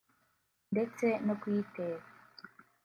ndetse no kuyiteka